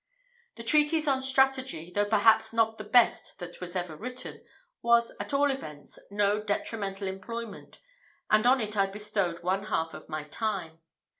The treatise on strategy, though perhaps not the best that ever was written, was, at all events, no detrimental employment; and on it I bestowed one half of my time.